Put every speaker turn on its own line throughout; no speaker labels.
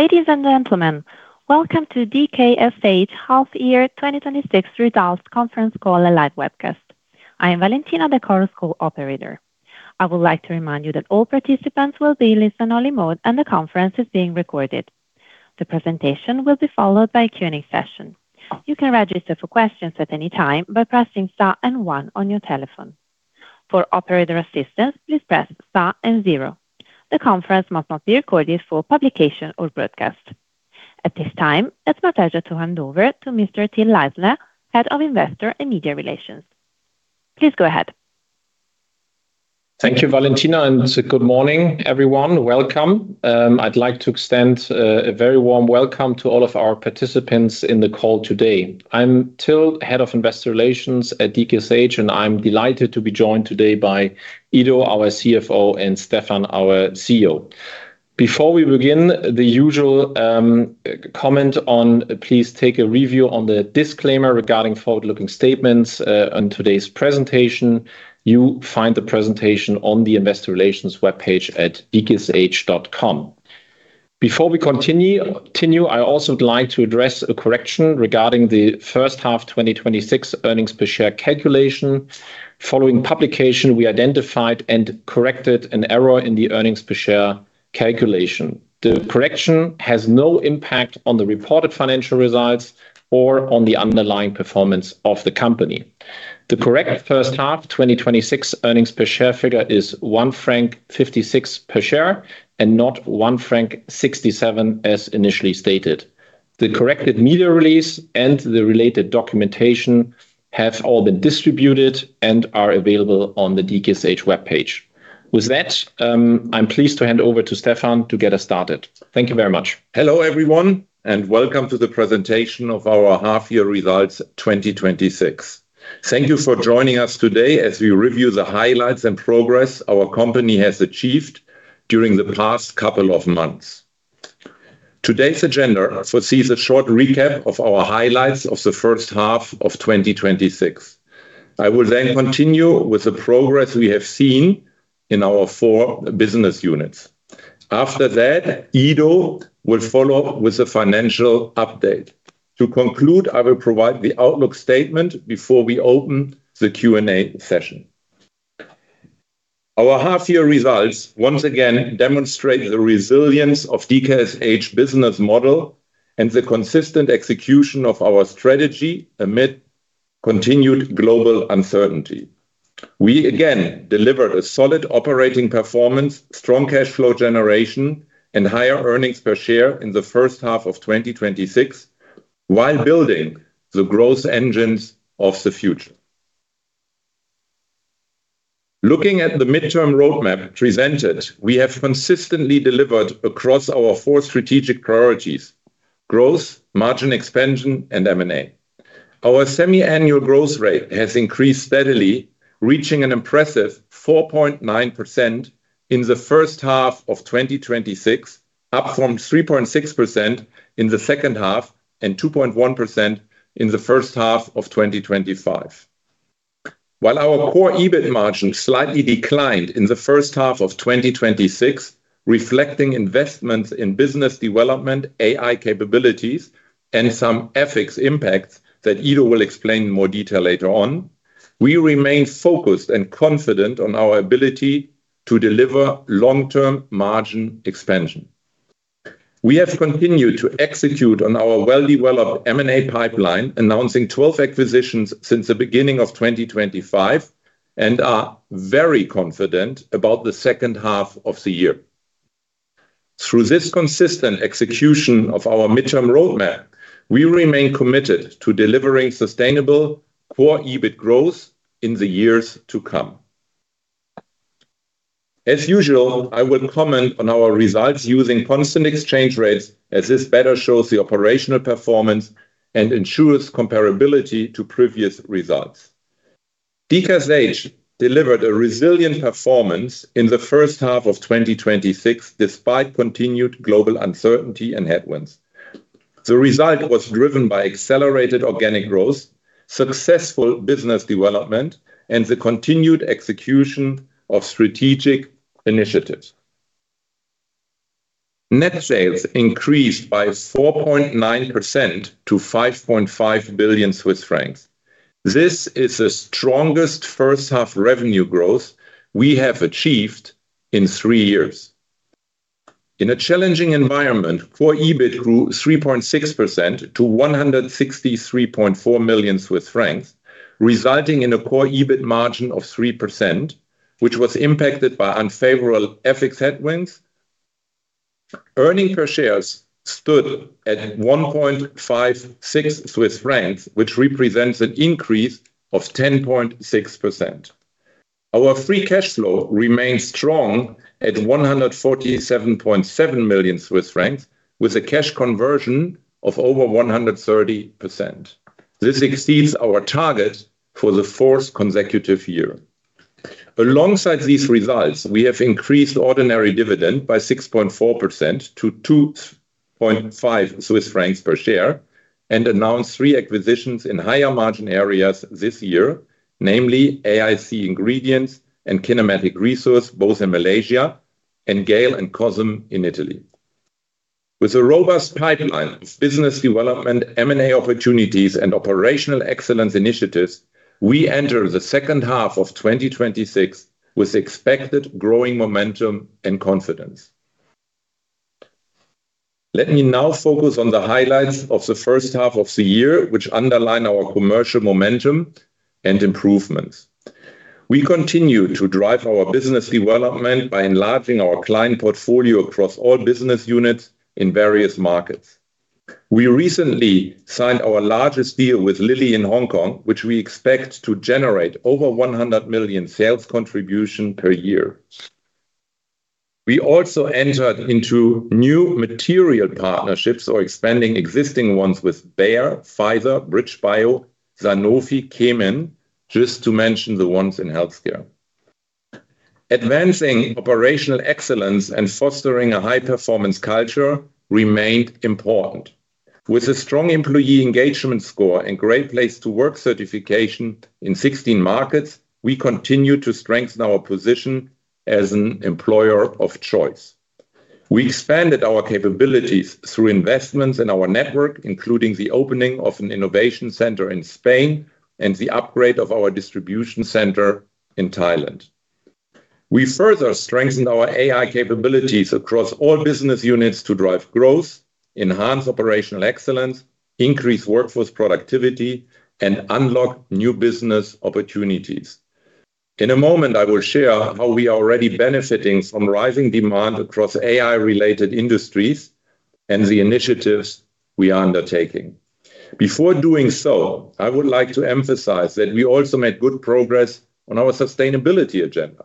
Ladies and gentlemen, welcome to DKSH Half Year 2026 Results Conference Call and live webcast. I am Valentina, the Chorus Call operator. I would like to remind you that all participants will be in listen only mode and the conference is being recorded. The presentation will be followed by a Q&A session. You can register for questions at any time by pressing star and one on your telephone. For operator assistance, please press star and zero. The conference must not be recorded for publication or broadcast. At this time, it's my pleasure to hand over to Mr. Till Leisner, Head of Investor and Media Relations. Please go ahead.
Thank you, Valentina, and good morning, everyone. Welcome. I'd like to extend a very warm welcome to all of our participants in the call today. I'm Till, Head of Investor Relations at DKSH, and I'm delighted to be joined today by Ido, our CFO, and Stefan, our CEO. Before we begin, the usual comment on please take a review on the disclaimer regarding forward-looking statements on today's presentation. You find the presentation on the Investor Relations webpage at dksh.com. Before we continue, I also would like to address a correction regarding the first half 2026 earnings per share calculation. Following publication, we identified and corrected an error in the earnings per share calculation. The correction has no impact on the reported financial results or on the underlying performance of the company. The correct first half 2026 earnings per share figure is 1.56 franc per share and not 1.67 franc as initially stated. The corrected media release and the related documentation have all been distributed and are available on the DKSH webpage. With that, I'm pleased to hand over to Stefan to get us started. Thank you very much.
Hello, everyone. Welcome to the presentation of our half year results 2026. Thank you for joining us today as we review the highlights and progress our company has achieved during the past couple of months. Today's agenda foresees a short recap of our highlights of the first half of 2026. I will then continue with the progress we have seen in our four business units. After that, Ido will follow up with a financial update. To conclude, I will provide the outlook statement before we open the Q&A session. Our half year results once again demonstrate the resilience of DKSH business model and the consistent execution of our strategy amid continued global uncertainty. We again deliver a solid operating performance, strong cash flow generation, and higher earnings per share in the first half of 2026 while building the growth engines of the future. Looking at the midterm roadmap presented, we have consistently delivered across our four strategic priorities: growth, margin expansion and M&A. Our semi-annual growth rate has increased steadily, reaching an impressive 4.9% in the first half of 2026, up from 3.6% in the second half, and 2.1% in the first half of 2025. While our Core EBIT margin slightly declined in the first half of 2026, reflecting investments in business development, AI capabilities, and some FX impacts that Ido will explain in more detail later on, we remain focused and confident on our ability to deliver long-term margin expansion. We have continued to execute on our well-developed M&A pipeline, announcing 12 acquisitions since the beginning of 2025 and are very confident about the second half of the year. Through this consistent execution of our midterm roadmap, we remain committed to delivering sustainable Core EBIT growth in the years to come. As usual, I will comment on our results using constant exchange rates as this better shows the operational performance and ensures comparability to previous results. DKSH delivered a resilient performance in the first half of 2026, despite continued global uncertainty and headwinds. The result was driven by accelerated organic growth, successful business development, and the continued execution of strategic initiatives. Net sales increased by 4.9% to 5.5 billion Swiss francs. This is the strongest first half revenue growth we have achieved in three years. In a challenging environment, Core EBIT grew 3.6% to 163.4 million Swiss francs, resulting in a Core EBIT margin of 3%, which was impacted by unfavorable FX headwinds. Earnings per share stood at 1.56 Swiss francs, which represents an increase of 10.6%. Our free cash flow remains strong at 147.7 million Swiss francs, with a cash conversion of over 130%. This exceeds our target for the fourth consecutive year. Alongside these results, we have increased ordinary dividend by 6.4% to 2.5 Swiss francs per share and announced three acquisitions in higher margin areas this year. Namely, AIC Ingredients and Kinematic Resources, both in Malaysia, and Gale & Cosm in Italy. With a robust pipeline of business development, M&A opportunities, and operational excellence initiatives, we enter the second half of 2026 with expected growing momentum and confidence. Let me now focus on the highlights of the first half of the year, which underline our commercial momentum and improvements. We continue to drive our business development by enlarging our client portfolio across all business units in various markets. We recently signed our largest deal with Lilly in Hong Kong, which we expect to generate over 100 million sales contribution per year. We also entered into new material partnerships or expanding existing ones with Bayer, Pfizer, BridgeBio, Sanofi, Kemin, just to mention the ones in healthcare. Advancing operational excellence and fostering a high-performance culture remained important. With a strong employee engagement score and Great Place to Work certification in 16 markets, we continue to strengthen our position as an employer of choice. We expanded our capabilities through investments in our network, including the opening of an innovation center in Spain and the upgrade of our distribution center in Thailand. We further strengthened our AI capabilities across all business units to drive growth, enhance operational excellence, increase workforce productivity, and unlock new business opportunities. In a moment, I will share how we are already benefiting from rising demand across AI-related industries and the initiatives we are undertaking. Before doing so, I would like to emphasize that we also made good progress on our sustainability agenda.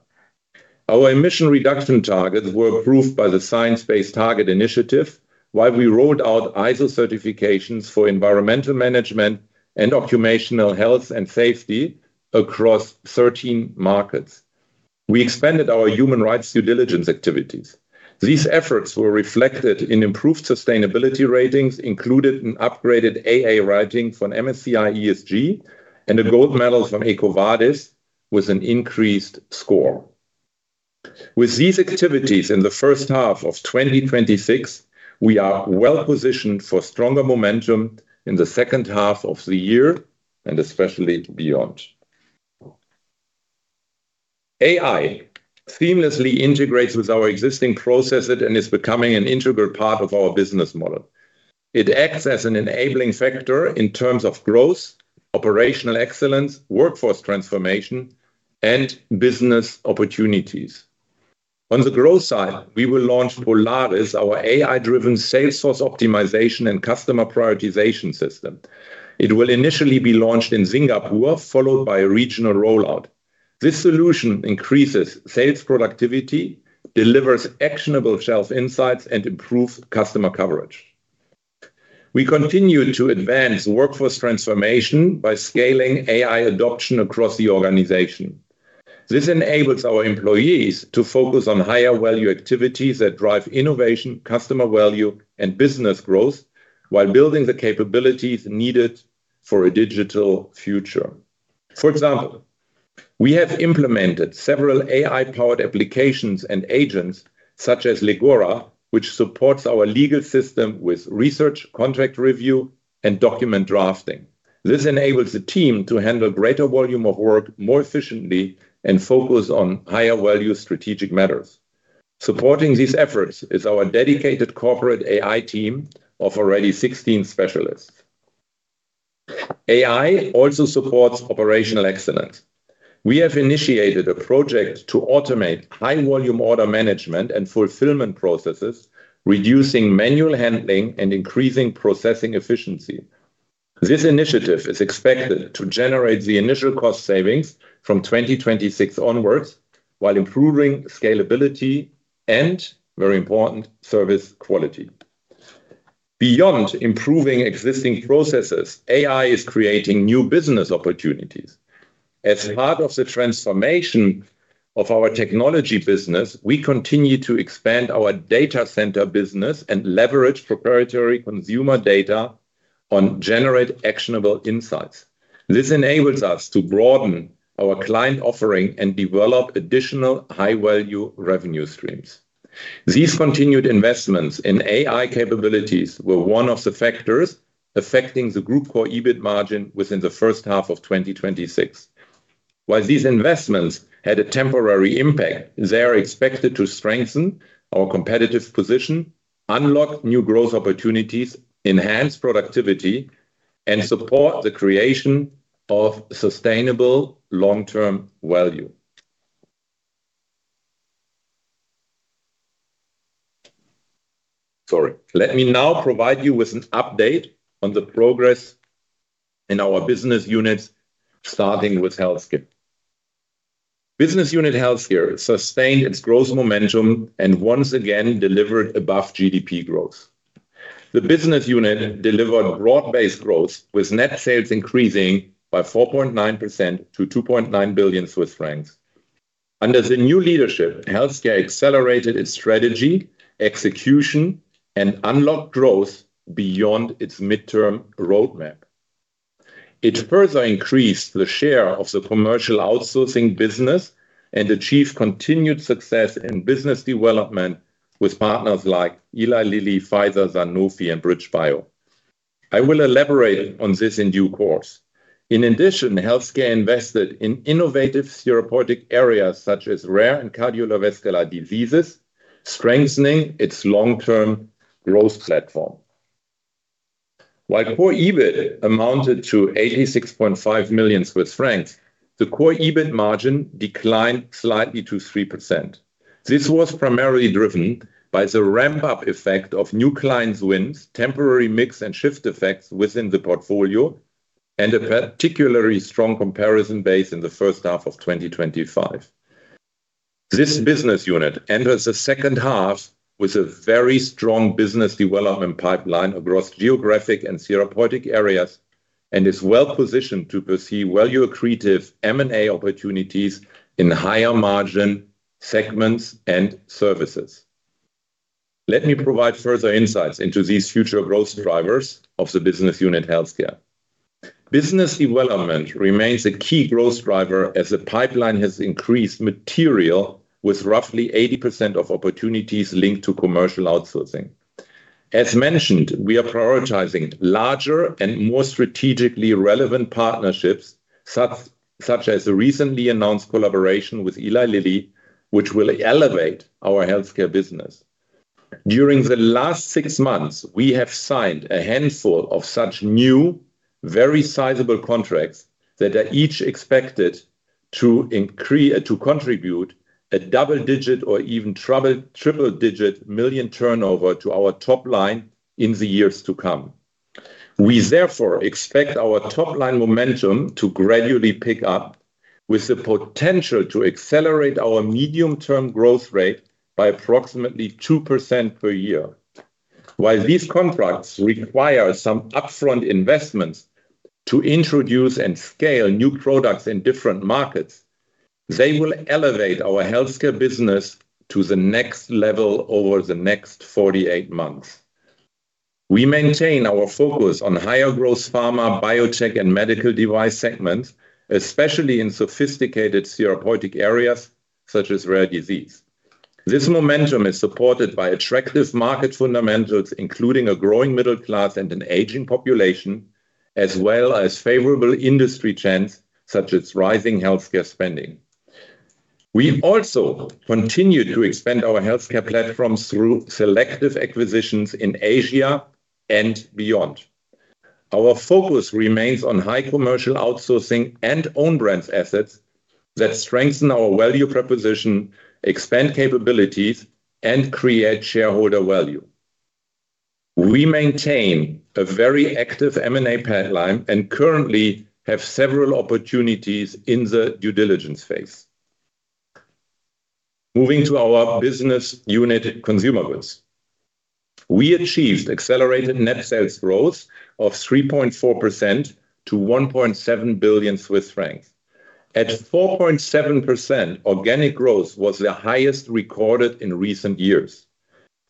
Our emission reduction targets were approved by the Science Based Targets initiative, while we rolled out ISO certifications for environmental management and occupational health and safety across 13 markets. We expanded our human rights due diligence activities. These efforts were reflected in improved sustainability ratings, included an upgraded AA rating from MSCI ESG and a gold medal from EcoVadis with an increased score. With these activities in the first half of 2026, we are well-positioned for stronger momentum in the second half of the year and especially beyond. AI seamlessly integrates with our existing processes and is becoming an integral part of our business model. It acts as an enabling factor in terms of growth, operational excellence, workforce transformation, and business opportunities. On the growth side, we will launch Polaris, our AI-driven sales force optimization and customer prioritization system. It will initially be launched in Singapore, followed by a regional rollout. This solution increases sales productivity, delivers actionable sales insights, and improves customer coverage. We continue to advance workforce transformation by scaling AI adoption across the organization. This enables our employees to focus on higher-value activities that drive innovation, customer value, and business growth while building the capabilities needed for a digital future. For example, we have implemented several AI-powered applications and agents such as Legora, which supports our legal system with research, contract review, and document drafting. This enables the team to handle greater volume of work more efficiently and focus on higher-value strategic matters. Supporting these efforts is our dedicated corporate AI team of already 16 specialists. AI also supports operational excellence. We have initiated a project to automate high-volume order management and fulfillment processes, reducing manual handling and increasing processing efficiency. This initiative is expected to generate the initial cost savings from 2026 onwards while improving scalability and, very important, service quality. Beyond improving existing processes, AI is creating new business opportunities. As part of the transformation of our technology business, we continue to expand our data center business and leverage proprietary consumer data and generate actionable insights. This enables us to broaden our client offering and develop additional high-value revenue streams. These continued investments in AI capabilities were one of the factors affecting the group Core EBIT margin within the first half of 2026. While these investments had a temporary impact, they are expected to strengthen our competitive position, unlock new growth opportunities, enhance productivity, and support the creation of sustainable long-term value. Sorry. Let me now provide you with an update on the progress in our business units, starting with Healthcare. Business unit Healthcare sustained its growth momentum and once again delivered above GDP growth. The business unit delivered broad-based growth, with net sales increasing by 4.9% to 2.9 billion Swiss francs. Under the new leadership, Healthcare accelerated its strategy, execution, and unlocked growth beyond its midterm roadmap. It further increased the share of the commercial outsourcing business and achieved continued success in business development with partners like Eli Lilly, Pfizer, Sanofi, and BridgeBio. I will elaborate on this in due course. In addition, Healthcare invested in innovative therapeutic areas such as rare and cardiovascular diseases, strengthening its long-term growth platform. While Core EBIT amounted to 86.5 million Swiss francs, the Core EBIT margin declined slightly to 3%. This was primarily driven by the ramp-up effect of new client wins, temporary mix and shift effects within the portfolio, and a particularly strong comparison base in the first half of 2025. This business unit enters the second half with a very strong business development pipeline across geographic and therapeutic areas and is well-positioned to pursue value-accretive M&A opportunities in higher-margin segments and services. Let me provide further insights into these future growth drivers of the business unit Healthcare. Business development remains a key growth driver as the pipeline has increased materially with roughly 80% of opportunities linked to commercial outsourcing. As mentioned, we are prioritizing larger and more strategically relevant partnerships, such as the recently announced collaboration with Eli Lilly, which will elevate our Healthcare business. During the last six months, we have signed a handful of such new, very sizable contracts that are each expected to contribute a double-digit or even triple-digit million turnover to our top line in the years to come. We therefore expect our top-line momentum to gradually pick up, with the potential to accelerate our medium-term growth rate by approximately 2% per year. While these contracts require some upfront investments to introduce and scale new products in different markets, they will elevate our Healthcare business to the next level over the next 48 months. We maintain our focus on higher-growth pharma, biotech, and medical device segments, especially in sophisticated therapeutic areas such as rare disease. This momentum is supported by attractive market fundamentals, including a growing middle class and an aging population, as well as favorable industry trends such as rising healthcare spending. We also continue to expand our Healthcare platforms through selective acquisitions in Asia and beyond. Our focus remains on high commercial outsourcing and own brands assets that strengthen our value proposition, expand capabilities, and create shareholder value. We maintain a very active M&A pipeline and currently have several opportunities in the due diligence phase. Moving to our business unit Consumer Goods. We achieved accelerated net sales growth of 3.4% to 1.7 billion Swiss francs. At 4.7%, organic growth was the highest recorded in recent years.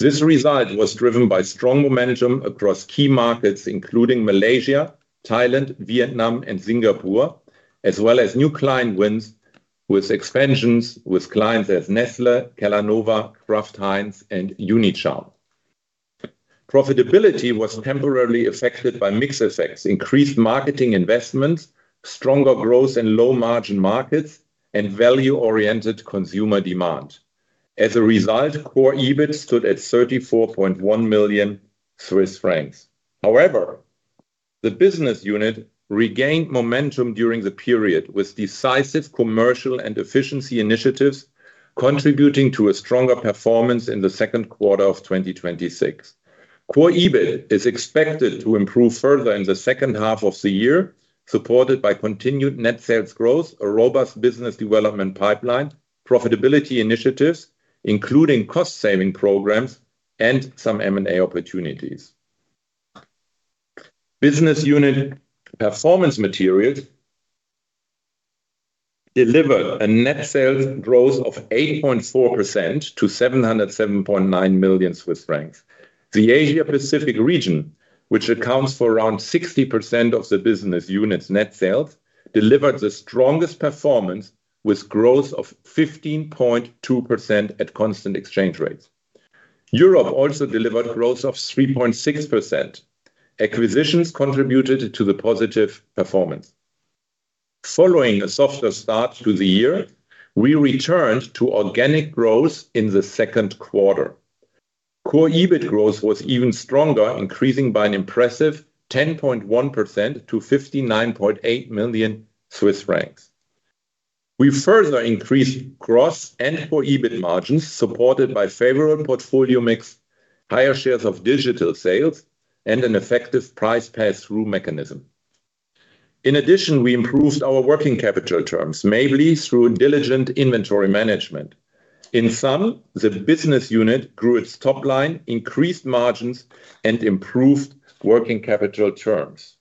This result was driven by strong momentum across key markets including Malaysia, Thailand, Vietnam, and Singapore, as well as new client wins with expansions with clients as Nestlé, Calanova, Kraft Heinz, and Unicharm. Profitability was temporarily affected by mix effects, increased marketing investments, stronger growth in low-margin markets, and value-oriented consumer demand. As a result, Core EBIT stood at 34.1 million Swiss francs. However, the business unit regained momentum during the period with decisive commercial and efficiency initiatives contributing to a stronger performance in the second quarter of 2026. Core EBIT is expected to improve further in the second half of the year, supported by continued net sales growth, a robust business development pipeline, profitability initiatives including cost-saving programs, and some M&A opportunities. Business Unit Performance Materials delivered a net sales growth of 8.4% to 707.9 million Swiss francs. The Asia-Pacific region, which accounts for around 60% of the business unit's net sales, delivered the strongest performance, with growth of 15.2% at constant exchange rates. Europe also delivered growth of 3.6%. Acquisitions contributed to the positive performance. Following a softer start to the year, we returned to organic growth in the second quarter. Core EBIT growth was even stronger, increasing by an impressive 10.1% to 59.8 million Swiss francs. We further increased gross and Core EBIT margins supported by favorable portfolio mix, higher shares of digital sales, and an effective price pass-through mechanism. In addition, we improved our working capital terms, mainly through diligent inventory management. In sum, the business unit grew its top line, increased margins, and improved working capital terms.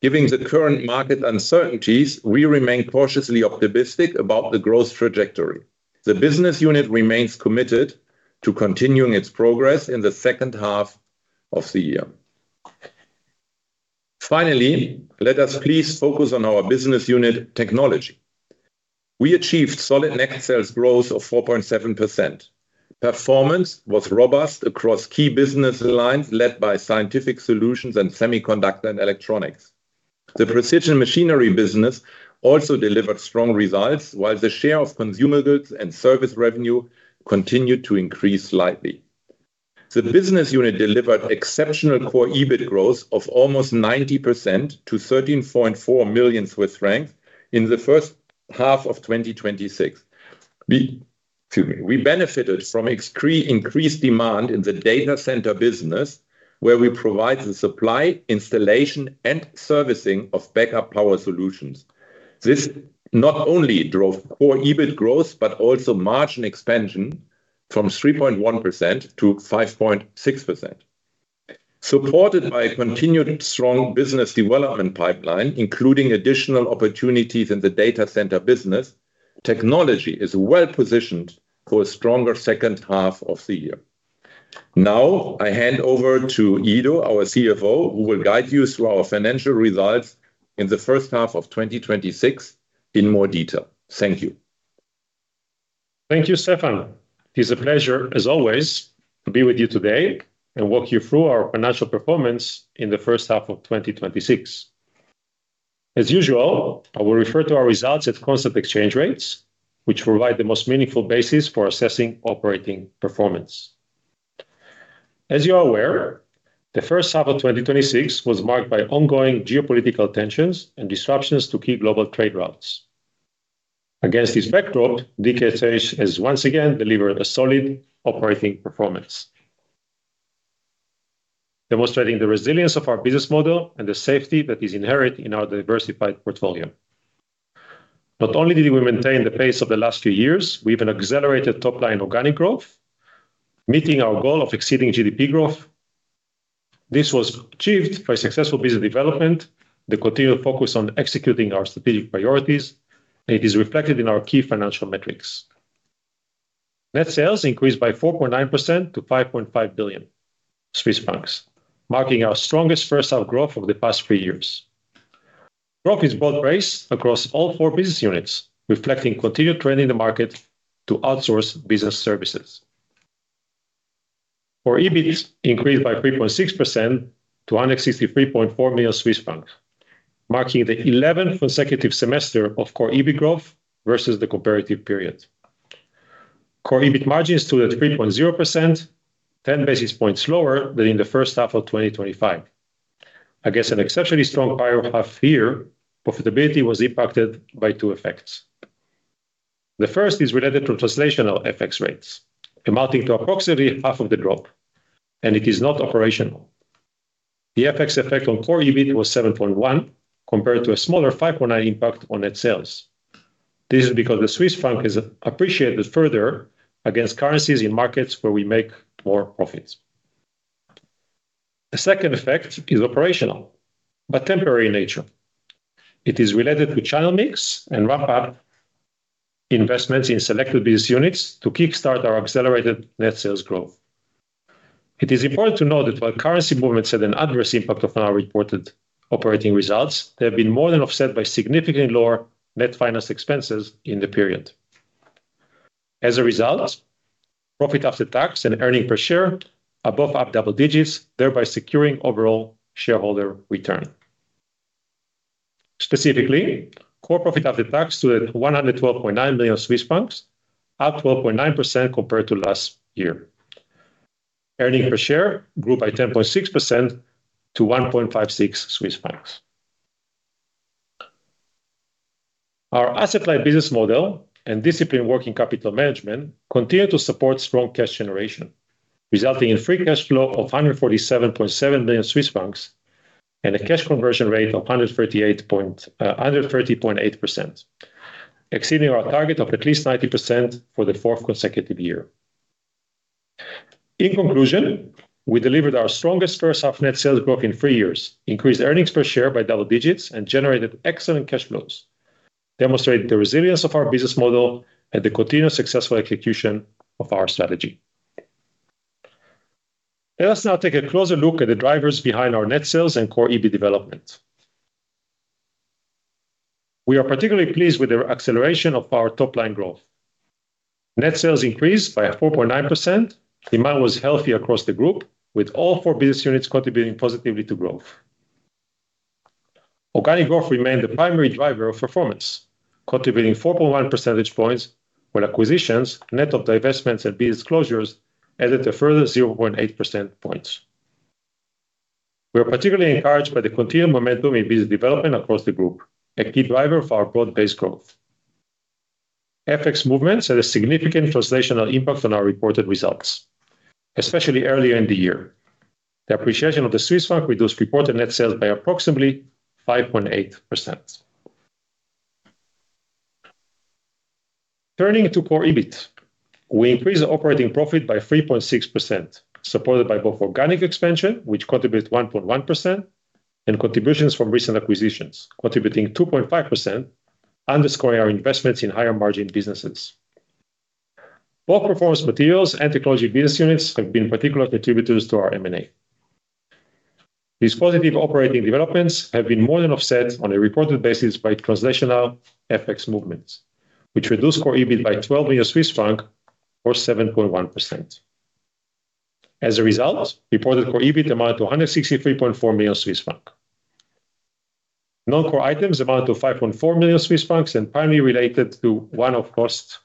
Given the current market uncertainties, we remain cautiously optimistic about the growth trajectory. The business unit remains committed to continuing its progress in the second half of the year. Finally, let us please focus on our business unit technology. We achieved solid net sales growth of 4.7%. Performance was robust across key business lines, led by scientific solutions and semiconductor and electronics. The precision machinery business also delivered strong results, while the share of consumer goods and service revenue continued to increase slightly. The business unit delivered exceptional Core EBIT growth of almost 90% to 13.4 million Swiss francs in the first half of 2026. We benefited from increased demand in the data center business, where we provide the supply, installation, and servicing of backup power solutions. This not only drove Core EBIT growth, but also margin expansion from 3.1% to 5.6%. Supported by a continued strong business development pipeline, including additional opportunities in the data center business, technology is well-positioned for a stronger second half of the year. I hand over to Ido, our CFO, who will guide you through our financial results in the first half of 2026 in more detail. Thank you.
Thank you, Stefan. It is a pleasure, as always, to be with you today and walk you through our financial performance in the first half of 2026. As usual, I will refer to our results at constant exchange rates, which provide the most meaningful basis for assessing operating performance. As you are aware, the first half of 2026 was marked by ongoing geopolitical tensions and disruptions to key global trade routes. Against this backdrop, DKSH has once again delivered a solid operating performance, demonstrating the resilience of our business model and the safety that is inherent in our diversified portfolio. Not only did we maintain the pace of the last few years, we even accelerated top-line organic growth, meeting our goal of exceeding GDP growth. This was achieved by successful business development, the continued focus on executing our strategic priorities, and it is reflected in our key financial metrics. Net sales increased by 4.9% to 5.5 billion Swiss francs, marking our strongest first half growth over the past three years. Growth is broad-based across all four business units, reflecting continued training the market to outsource business services. Core EBIT increased by 3.6% to 163.4 million Swiss francs, marking the 11th consecutive semester of Core EBIT growth versus the comparative period. Core EBIT margins stood at 3.0%, 10 basis points lower than in the first half of 2025. Against an exceptionally strong prior half year, profitability was impacted by two effects. The first is related to translational FX rates, amounting to approximately half of the drop, and it is not operational. The FX effect on Core EBIT was 7.1, compared to a smaller 5.9 impact on net sales. This is because the Swiss franc has appreciated further against currencies in markets where we make more profits. The second effect is operational but temporary in nature. It is related to channel mix and ramp-up investments in selected business units to kickstart our accelerated net sales growth. It is important to note that while currency movements had an adverse impact on our reported operating results, they have been more than offset by significantly lower net finance expenses in the period. As a result, profit after tax and earnings per share are both up double digits, thereby securing overall shareholder return. Specifically, Core profit after tax stood at 112.9 million Swiss francs, up 12.9% compared to last year. Earnings per share grew by 10.6% to 1.56 Swiss francs. Our asset-light business model and disciplined working capital management continue to support strong cash generation, resulting in free cash flow of 147.7 million Swiss francs and a cash conversion rate of 130.8%, exceeding our target of at least 90% for the fourth consecutive year. In conclusion, we delivered our strongest first half net sales growth in three years, increased earnings per share by double digits, and generated excellent cash flows, demonstrating the resilience of our business model and the continued successful execution of our strategy. Let us now take a closer look at the drivers behind our net sales and Core EBIT development. We are particularly pleased with the acceleration of our top-line growth. Net sales increased by 4.9%. Demand was healthy across the group, with all four business units contributing positively to growth. Organic growth remained the primary driver of performance, contributing 4.1 percentage points, while acquisitions, net of divestments and business closures, added a further 0.8 percentage points. We are particularly encouraged by the continued momentum in business development across the group, a key driver of our broad-based growth. FX movements had a significant translational impact on our reported results, especially earlier in the year. The appreciation of the Swiss franc reduced reported net sales by approximately 5.8%. Turning to Core EBIT, we increased the operating profit by 3.6%, supported by both organic expansion, which contributes 1.1%, and contributions from recent acquisitions contributing 2.5%, underscoring our investments in higher margin businesses. Both performance materials and technology business units have been particular contributors to our M&A. These positive operating developments have been more than offset on a reported basis by translational FX movements, which reduced Core EBIT by 12 million Swiss franc or 7.1%. As a result, reported Core EBIT amounted to 163.4 million Swiss franc. Non-core items amounted to 5.4 million Swiss francs and primarily related to one-off costs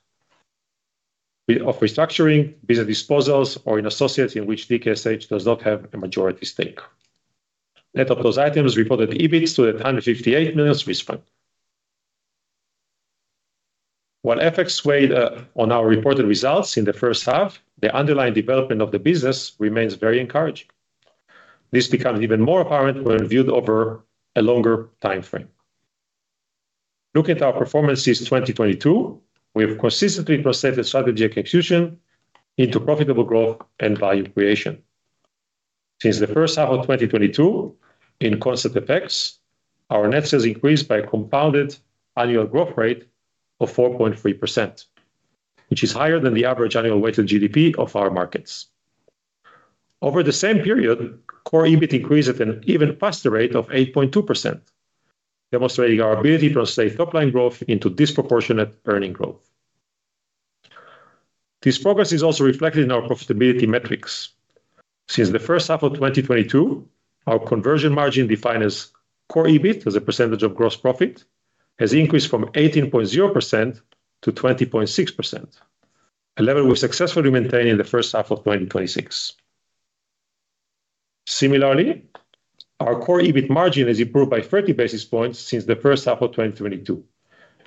of restructuring, business disposals, or an associate in which DKSH does not have a majority stake. Net of those items, reported EBIT to 158 million Swiss franc. While FX weighed on our reported results in the first half, the underlying development of the business remains very encouraging. This becomes even more apparent when viewed over a longer timeframe. Looking at our performance since 2022, we have consistently translated strategy execution into profitable growth and value creation. Since the first half of 2022, in constant FX, our net sales increased by a compounded annual growth rate of 4.3%, which is higher than the average annual weighted GDP of our markets. Over the same period, Core EBIT increased at an even faster rate of 8.2%, demonstrating our ability to translate top-line growth into disproportionate earning growth. This progress is also reflected in our profitability metrics. Since the first half of 2022, our conversion margin, defined as Core EBIT as a percentage of gross profit, has increased from 18.0% to 20.6%, a level we successfully maintained in the first half of 2026. Similarly, our Core EBIT margin has improved by 30 basis points since the first half of 2022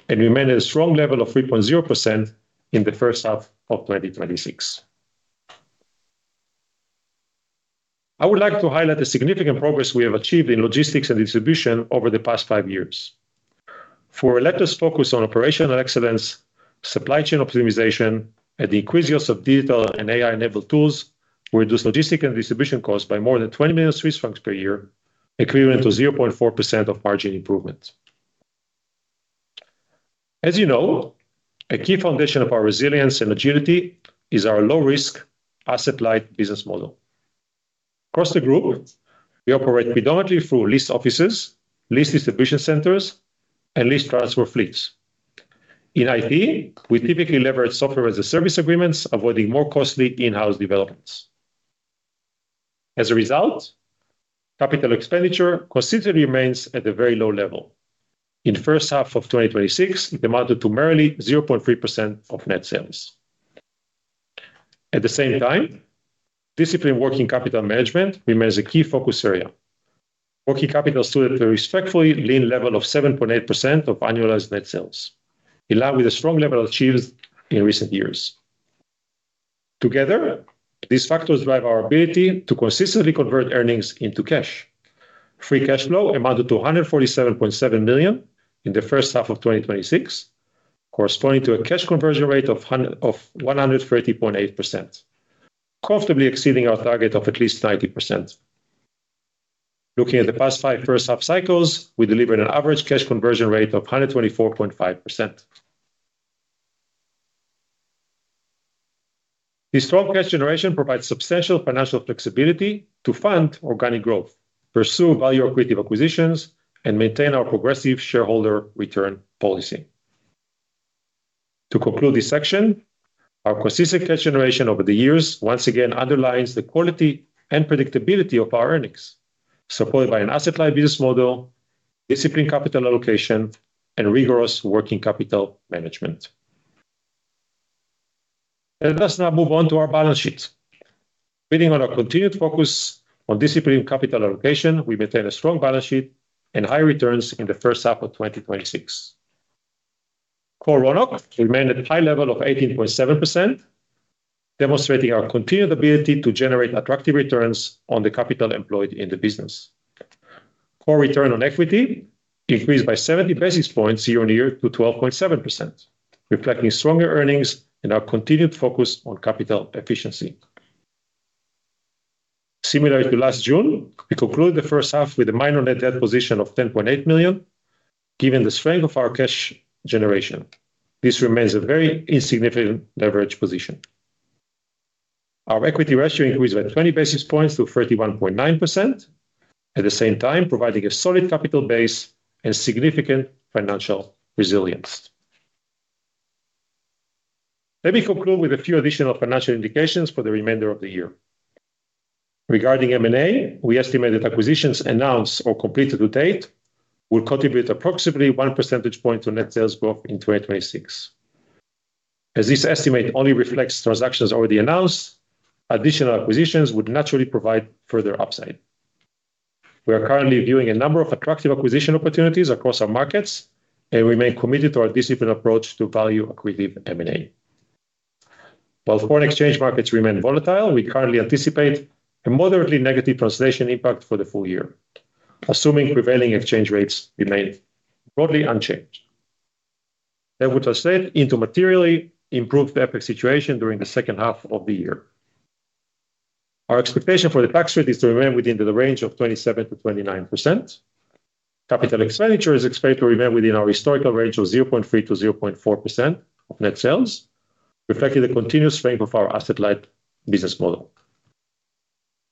and remained at a strong level of 3.0% in the first half of 2026. I would like to highlight the significant progress we have achieved in logistics and distribution over the past five years. Through a relentless focus on operational excellence, supply chain optimization, and the increasing use of digital and AI-enabled tools, we reduced logistic and distribution costs by more than 20 million Swiss francs per year, equivalent to 0.4% of margin improvement. As you know, a key foundation of our resilience and agility is our low-risk asset-light business model. Across the group, we operate predominantly through leased offices, leased distribution centers, and leased transport fleets. In IT, we typically leverage Software-as-a-Service agreements, avoiding more costly in-house developments. As a result, capital expenditure consistently remains at a very low level. In the first half of 2026, it amounted to merely 0.3% of net sales. At the same time, disciplined working capital management remains a key focus area. Working capital stood at the respectfully lean level of 7.8% of annualized net sales, in line with the strong level achieved in recent years. Together, these factors drive our ability to consistently convert earnings into cash. Free cash flow amounted to 147.7 million in the first half of 2026, corresponding to a cash conversion rate of 130.8%, comfortably exceeding our target of at least 90%. Looking at the past five first half cycles, we delivered an average cash conversion rate of 124.5%. This strong cash generation provides substantial financial flexibility to fund organic growth, pursue value-accretive acquisitions, and maintain our progressive shareholder return policy. To conclude this section, our consistent cash generation over the years once again underlines the quality and predictability of our earnings, supported by an asset-light business model, disciplined capital allocation, and rigorous working capital management. Let us now move on to our balance sheet. Building on our continued focus on disciplined capital allocation, we maintain a strong balance sheet and high returns in the first half of 2026. Core ROIC remained at a high level of 18.7%, demonstrating our continued ability to generate attractive returns on the capital employed in the business. Core return on equity increased by 70 basis points year on year to 12.7%, reflecting stronger earnings and our continued focus on capital efficiency. Similar to last June, we concluded the first half with a minor net debt position of 10.8 million. Given the strength of our cash generation, this remains a very insignificant leverage position. Our equity ratio increased by 20 basis points to 31.9%, at the same time providing a solid capital base and significant financial resilience. Let me conclude with a few additional financial indications for the remainder of the year. Regarding M&A, we estimate that acquisitions announced or completed to date will contribute approximately one percentage point to net sales growth in 2026. As this estimate only reflects transactions already announced, additional acquisitions would naturally provide further upside. We are currently viewing a number of attractive acquisition opportunities across our markets, and we remain committed to our disciplined approach to value-accretive M&A. While foreign exchange markets remain volatile, we currently anticipate a moderately negative translation impact for the full year, assuming prevailing exchange rates remain broadly unchanged. That which I said into materially improved the FX situation during the second half of the year. Our expectation for the tax rate is to remain within the range of 27%-29%. Capital expenditure is expected to remain within our historical range of 0.3%-0.4% of net sales, reflecting the continuous strength of our asset-light business model.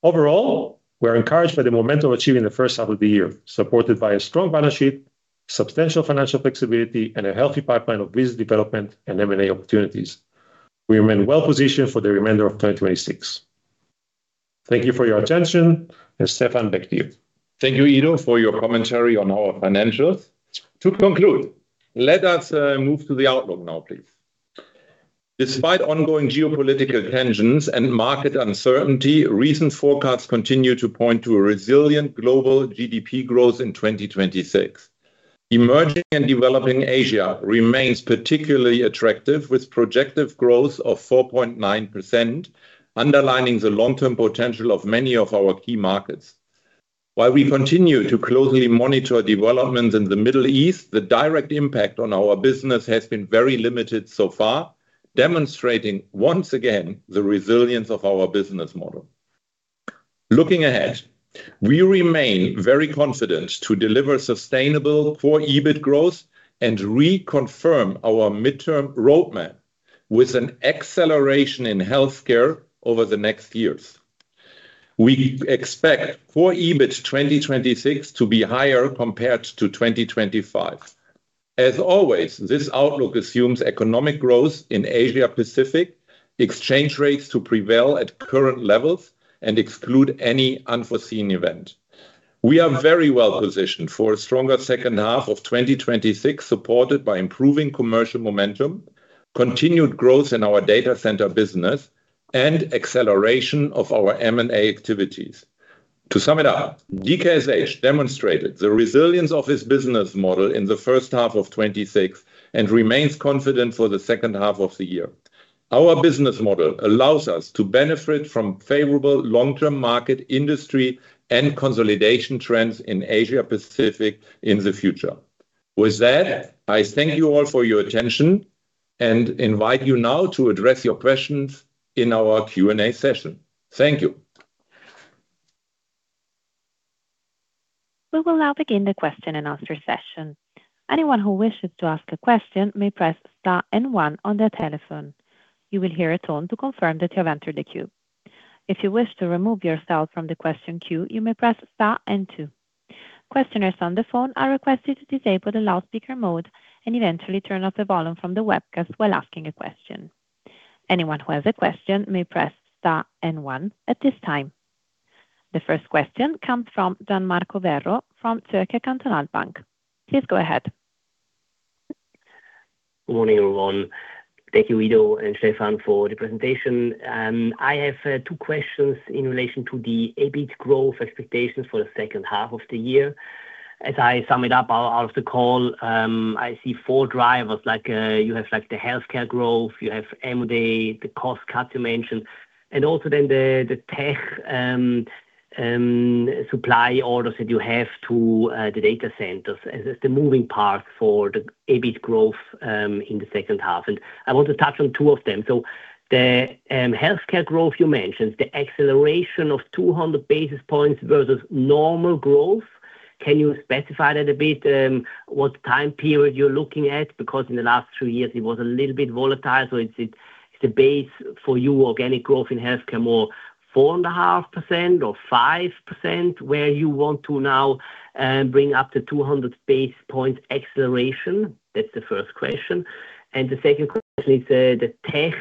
Overall, we are encouraged by the momentum achieved in the first half of the year, supported by a strong balance sheet, substantial financial flexibility, and a healthy pipeline of business development and M&A opportunities. We remain well-positioned for the remainder of 2026. Thank you for your attention. Stefan, back to you.
Thank you, Ido, for your commentary on our financials. To conclude, let us move to the outlook now, please. Despite ongoing geopolitical tensions and market uncertainty, recent forecasts continue to point to a resilient global GDP growth in 2026. Emerging and developing Asia remains particularly attractive, with projected growth of 4.9%, underlining the long-term potential of many of our key markets. While we continue to closely monitor developments in the Middle East, the direct impact on our business has been very limited so far, demonstrating, once again, the resilience of our business model. Looking ahead, we remain very confident to deliver sustainable Core EBIT growth and reconfirm our midterm roadmap with an acceleration in healthcare over the next years. We expect Core EBIT 2026 to be higher compared to 2025. As always, this outlook assumes economic growth in Asia Pacific, exchange rates to prevail at current levels, and exclude any unforeseen event. We are very well-positioned for a stronger second half of 2026, supported by improving commercial momentum, continued growth in our data center business, and acceleration of our M&A activities. To sum it up, DKSH demonstrated the resilience of its business model in the first half of 2026 and remains confident for the second half of the year. Our business model allows us to benefit from favorable long-term market industry and consolidation trends in Asia Pacific in the future. With that, I thank you all for your attention and invite you now to address your questions in our Q&A session. Thank you.
We will now begin the question and answer session. Anyone who wishes to ask a question may press star and one on their telephone. You will hear a tone to confirm that you have entered the queue. If you wish to remove yourself from the question queue, you may press star and two. Questioners on the phone are requested to disable the loudspeaker mode and eventually turn off the volume from the webcast while asking a question. Anyone who has a question may press star and one at this time. The first question comes from Gian Marco Werro from Zürcher Kantonalbank. Please go ahead.
Morning, everyone. Thank you, Ido and Stefan, for the presentation. I have two questions in relation to the EBIT growth expectations for the second half of the year. As I sum it up out of the call, I see four drivers. Also then the tech supply orders that you have to the data centers as the moving parts for the EBIT growth in the second half. I want to touch on two of them. The healthcare growth you mentioned, the acceleration of 200 basis points versus normal growth. Can you specify that a bit? What time period you're looking at? Because in the last three years it was a little bit volatile. Is the base for your organic growth in healthcare more 4.5% or 5%, where you want to now bring up the 200 basis point acceleration? That's the first question. The second question is the tech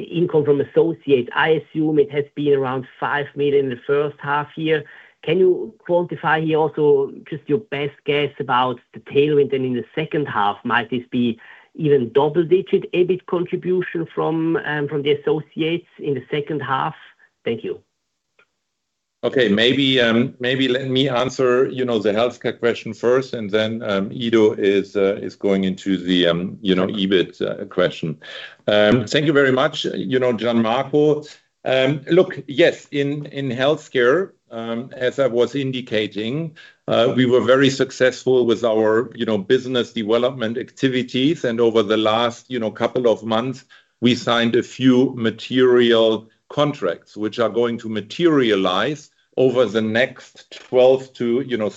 income from associates. I assume it has been around 5 million in the first half year. Can you quantify here also just your best guess about the tailwind then in the second half? Might this be even double-digit EBIT contribution from the associates in the second half? Thank you.
Okay. Maybe let me answer the healthcare question first. Ido is going into the EBIT question. Thank you very much, Gian Marco. Look, yes, in healthcare, as I was indicating, we were very successful with our business development activities. Over the last couple of months, we signed a few material contracts which are going to materialize over the next 12 to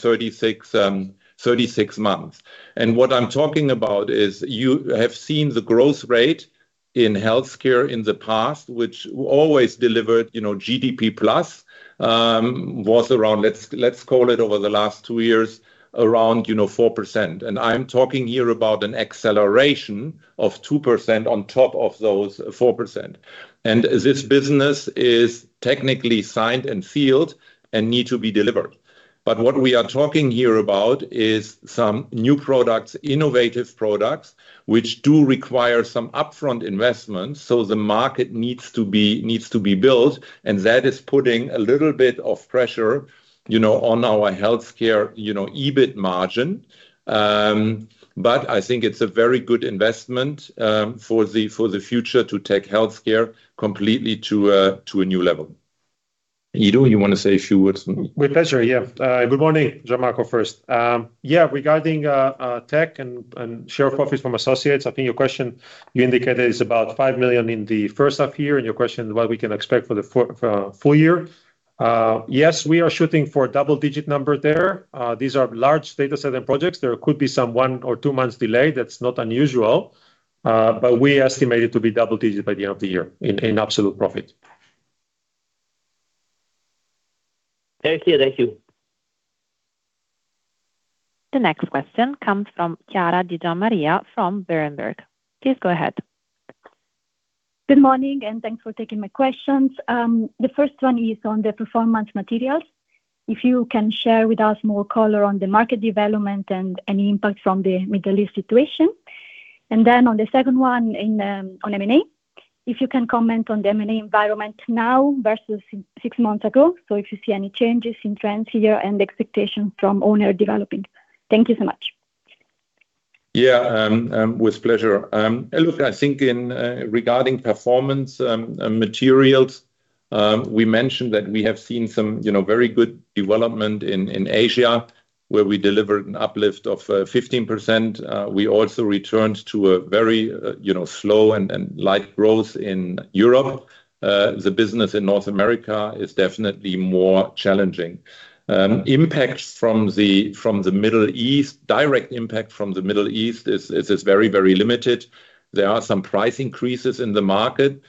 36 months. What I'm talking about is you have seen the growth rate in healthcare in the past, which always delivered GDP plus, was around, let's call it over the last two years, around 4%. I'm talking here about an acceleration of 2% on top of those 4%. This business is technically signed and sealed and need to be delivered. What we are talking here about is some new products, innovative products, which do require some upfront investment. The market needs to be built, and that is putting a little bit of pressure on our healthcare Core EBIT margin. I think it's a very good investment for the future to take healthcare completely to a new level. Ido, you want to say a few words?
With pleasure. Good morning, Gian Marco. Regarding tech and share of profits from associates, I think your question, you indicated is about 5 million in the first half year, and your question, what we can expect for the full year. Yes, we are shooting for a double-digit number there. These are large data center projects. There could be some one or two months delay. That's not unusual. We estimate it to be double digit by the end of the year in absolute profit.
Thank you.
The next question comes from Chiara Di Giammaria from Berenberg. Please go ahead.
Good morning, and thanks for taking my questions. The first one is on the performance materials. If you can share with us more color on the market development and any impact from the Middle East situation. On the second one on M&A, if you can comment on the M&A environment now versus six months ago. If you see any changes in trends here and the expectation from owner developing. Thank you so much.
Yeah, with pleasure. Look, I think regarding performance materials, we mentioned that we have seen some very good development in Asia where we delivered an uplift of 15%. We also returned to a very slow and light growth in Europe. The business in North America is definitely more challenging. Impact from the Middle East, direct impact from the Middle East is very limited. There are some price increases in the market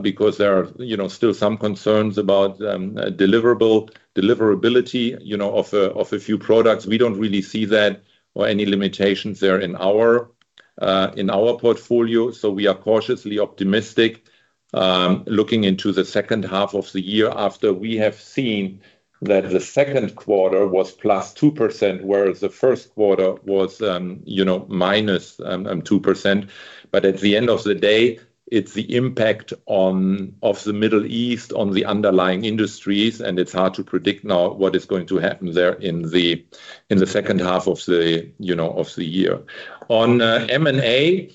because there are still some concerns about deliverability of a few products. We don't really see that or any limitations there in our portfolio. We are cautiously optimistic looking into the second half of the year after we have seen that the second quarter was +2% whereas the first quarter was -2%. At the end of the day, it's the impact of the Middle East on the underlying industries, and it's hard to predict now what is going to happen there in the second half of the year. On M&A,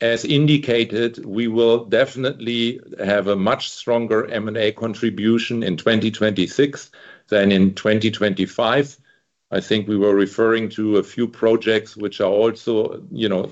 as indicated, we will definitely have a much stronger M&A contribution in 2026 than in 2025. I think we were referring to a few projects which are also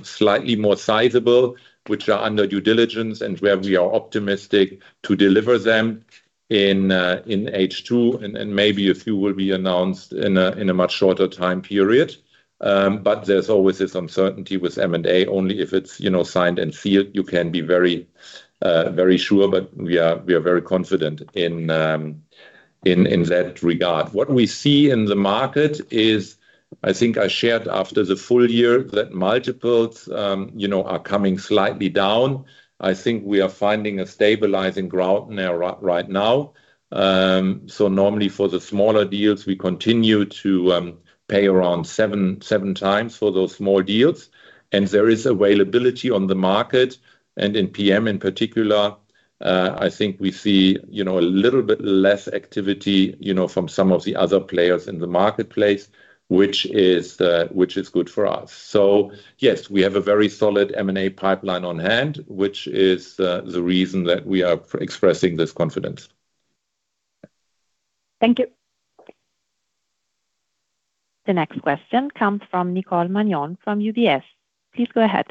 slightly more sizable, which are under due diligence and where we are optimistic to deliver them in H2, and maybe a few will be announced in a much shorter time period. There's always this uncertainty with M&A. Only if it's signed and sealed you can be very sure, but we are very confident in that regard. What we see in the market is, I think I shared after the full year, that multiples are coming slightly down. I think we are finding a stabilizing ground there right now. Normally for the smaller deals, we continue to pay around seven times for those small deals, and there is availability on the market. In PM in particular, I think we see a little bit less activity from some of the other players in the marketplace, which is good for us. Yes, we have a very solid M&A pipeline on hand, which is the reason that we are expressing this confidence.
Thank you.
The next question comes from Nicole Manion from UBS. Please go ahead.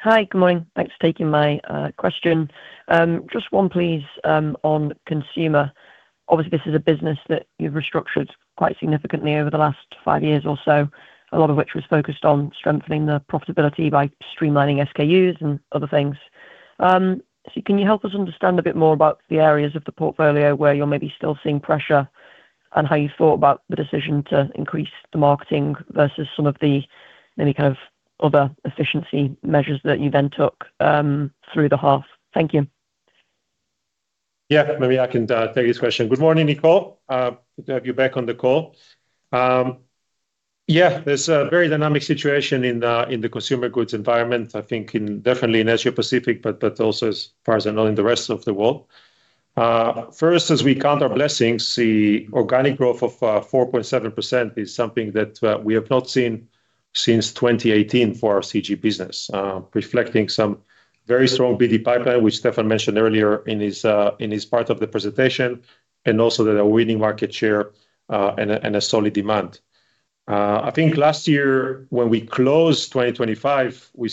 Hi. Good morning. Thanks for taking my question. Just one please on consumer. Obviously, this is a business that you've restructured quite significantly over the last five years or so, a lot of which was focused on strengthening the profitability by streamlining SKUs and other things. Can you help us understand a bit more about the areas of the portfolio where you're maybe still seeing pressure and how you thought about the decision to increase the marketing versus some of the maybe kind of other efficiency measures that you then took through the half? Thank you.
Maybe I can take this question. Good morning, Nicole. Good to have you back on the call. There's a very dynamic situation in the consumer goods environment, I think definitely in Asia-Pacific, but also, as far as I know, in the rest of the world. First, as we count our blessings, the organic growth of 4.7% is something that we have not seen since 2018 for our CG business. Reflecting some very strong BD pipeline, which Stefan mentioned earlier in his part of the presentation, and also that a winning market share, and a solid demand. I think last year when we closed 2023, we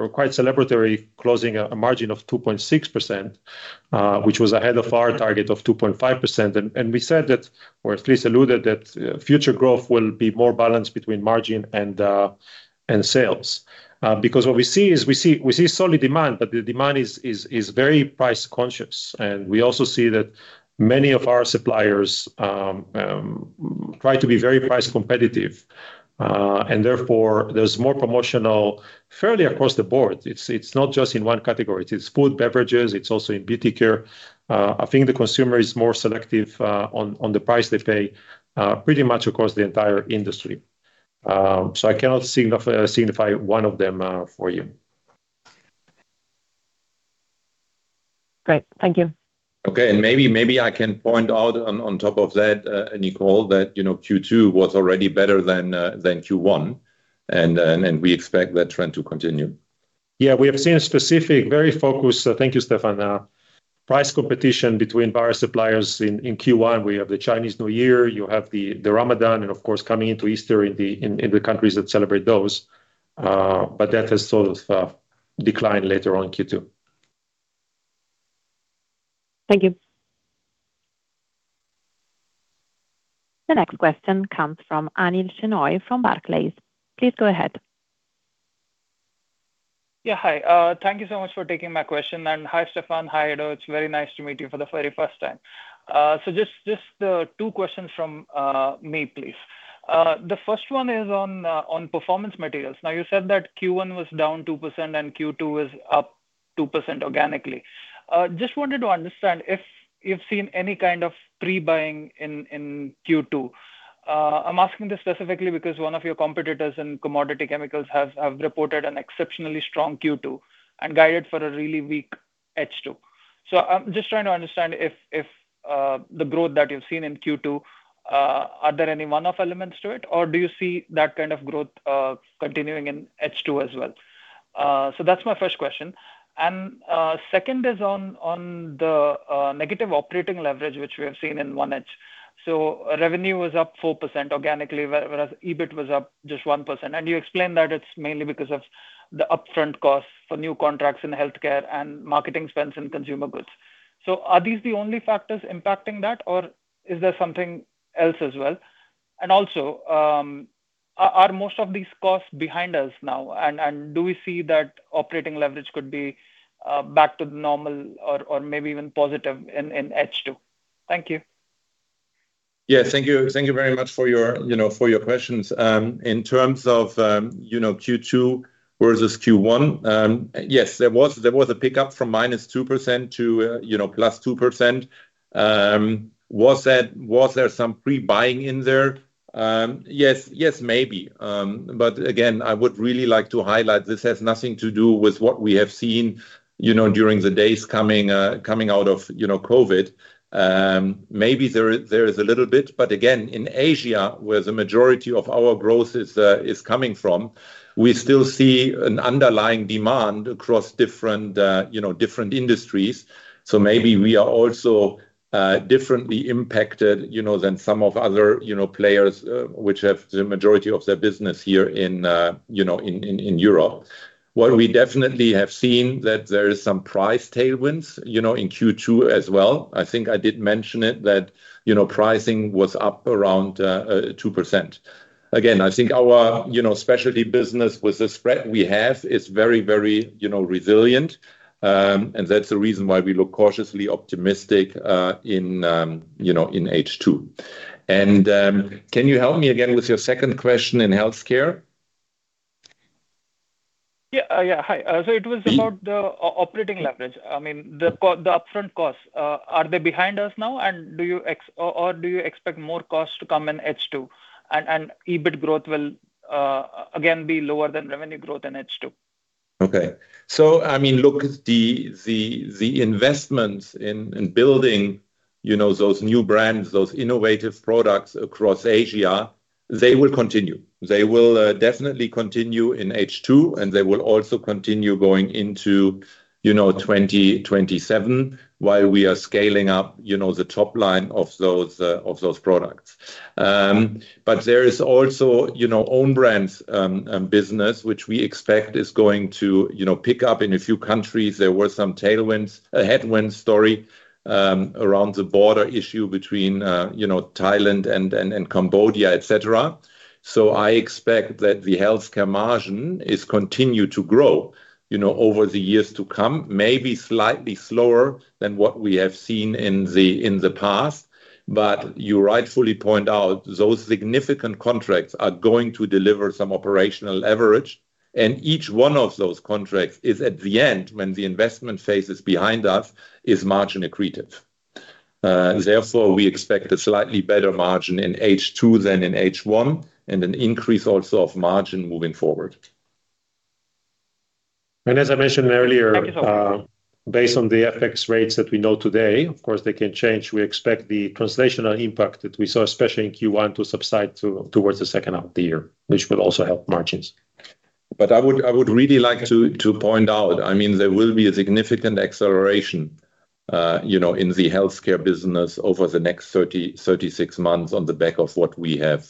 were quite celebratory closing a margin of 2.6%, which was ahead of our target of 2.5%. We said that, or at least alluded that future growth will be more balanced between margin and sales. What we see is we see solid demand, but the demand is very price conscious. We also see that many of our suppliers try to be very price competitive. Therefore there's more promotional fairly across the board. It's not just in one category. It's food, beverages. It's also in beauty care. I think the consumer is more selective on the price they pay pretty much across the entire industry. I cannot signify one of them for you.
Great. Thank you.
Okay. Maybe I can point out on top of that, Nicole, that Q2 was already better than Q1. We expect that trend to continue.
Yeah, we have seen a specific, very focused, thank you, Stefan, price competition between various suppliers in Q1. We have the Chinese New Year, you have the Ramadan, and of course, coming into Easter in the countries that celebrate those. That has sort of declined later on in Q2.
Thank you.
The next question comes from Anil Shenoy from Barclays. Please go ahead.
Yeah. Hi. Thank you so much for taking my question. Hi, Stefan. Hi, Ido. It's very nice to meet you for the very first time. Just two questions from me, please. The first one is on performance materials. You said that Q1 was down 2% and Q2 was up 2% organically. Just wanted to understand if you've seen any kind of pre-buying in Q2. I'm asking this specifically because one of your competitors in commodity chemicals has reported an exceptionally strong Q2 and guided for a really weak H2. I'm just trying to understand if the growth that you've seen in Q2, are there any one-off elements to it, or do you see that kind of growth continuing in H2 as well? That's my first question. Second is on the negative operating leverage, which we have seen in 1H. Revenue was up 4% organically, whereas EBIT was up just 1%. You explained that it's mainly because of the upfront costs for new contracts in healthcare and marketing spends in consumer goods. Are these the only factors impacting that, or is there something else as well? Also, are most of these costs behind us now? Do we see that operating leverage could be back to normal or maybe even positive in H2? Thank you.
Thank you very much for your questions. In terms of Q2 versus Q1, yes, there was a pickup from -2% to +2%. Was there some pre-buying in there? Yes, maybe. Again, I would really like to highlight this has nothing to do with what we have seen during the days coming out of COVID. Maybe there is a little bit. Again, in Asia, where the majority of our growth is coming from, we still see an underlying demand across different industries. Maybe we are also differently impacted than some of other players which have the majority of their business here in Europe. What we definitely have seen that there is some price tailwinds in Q2 as well. I think I did mention it, that pricing was up around 2%. Again, I think our specialty business with the spread we have is very resilient. That's the reason why we look cautiously optimistic in H2. Can you help me again with your second question in healthcare?
Hi. It was about the operating leverage. I mean, the upfront costs. Are they behind us now? Do you expect more costs to come in H2, and EBIT growth will again be lower than revenue growth in H2?
Okay. Look, the investments in building those new brands, those innovative products across Asia, they will continue. They will definitely continue in H2, and they will also continue going into 2027, while we are scaling up the top line of those products. There is also own brands business, which we expect is going to pick up in a few countries. There were some headwinds story around the border issue between Thailand and Cambodia, et cetera. I expect that the healthcare margin is continue to grow over the years to come, maybe slightly slower than what we have seen in the past. You rightfully point out those significant contracts are going to deliver some operational leverage, and each one of those contracts is, at the end, when the investment phase is behind us, is margin accretive. Therefore, we expect a slightly better margin in H2 than in H1 and an increase also of margin moving forward.
As I mentioned earlier, based on the FX rates that we know today, of course they can change. We expect the translational impact that we saw, especially in Q1, to subside towards the second half of the year, which will also help margins.
I would really like to point out, there will be a significant acceleration in the healthcare business over the next 36 months on the back of what we have